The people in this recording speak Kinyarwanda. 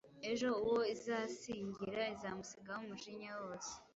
Ejo uwo izasingira izamusigamo umujinya wose